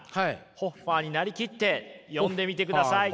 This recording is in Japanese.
ホッファーになりきって読んでみてください。